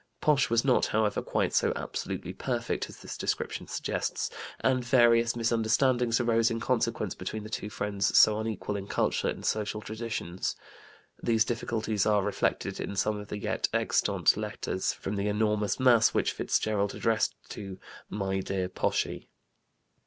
Posh was not, however, quite so absolutely perfect as this description suggests, and various misunderstandings arose in consequence between the two friends so unequal in culture and social traditions. These difficulties are reflected in some of the yet extant letters from the enormous mass which Fitzgerald addressed to "my dear Poshy."